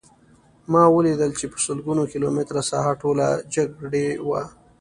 ما ولیدل چې په سلګونه کیلومتره ساحه ټوله جګړې وه